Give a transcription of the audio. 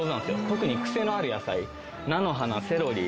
特にクセのある野菜菜の花セロリ